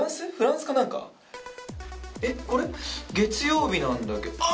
これ月曜日なんだけどあ！